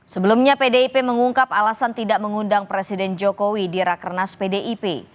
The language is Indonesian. sebelumnya pdip mengungkap alasan tidak mengundang presiden jokowi di rakernas pdip